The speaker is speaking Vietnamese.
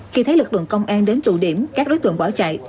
khi thấy lực lượng công an đến tụ điểm các đối tượng bỏ chạy